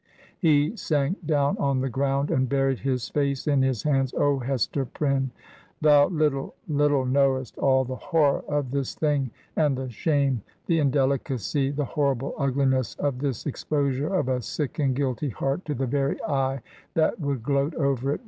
He sank down on the ground, and buried his face in his hands. ... 'O Hester Prynne, thou Uttle, little knowest all the horror of this thing I And the shame I — the indelicacy! — the horrible ugliness of this ex posure of a sick and guilty heart to the very eye that would gloat over it!